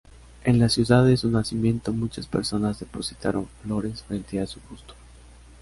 En la ciudad de su nacimiento muchas personas depositaron flores frente a su busto.